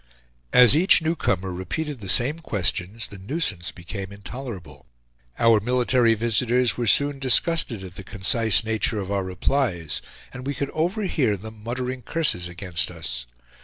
As each newcomer repeated the same questions, the nuisance became intolerable. Our military visitors were soon disgusted at the concise nature of our replies, and we could overhear them muttering curses against us.